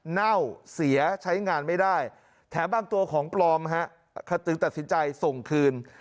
เน่าเสียใช้งานไม่ได้แถมบางตัวของปลอมฮะจึงตัดสินใจส่งคืน